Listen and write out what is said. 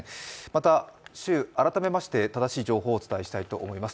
また週改めまして正しい情報をお伝えしたいと思います。